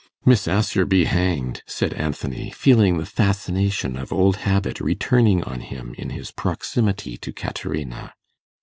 'Miss Assher be hanged!' said Anthony, feeling the fascination of old habit returning on him in his proximity to Caterina.